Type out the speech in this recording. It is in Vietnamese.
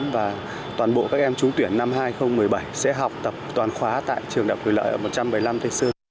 và toàn bộ các em trúng tuyển năm hai nghìn một mươi bảy sẽ học tập toàn khóa tại trường đại quyền lợi ở một trăm bảy mươi năm tây sơn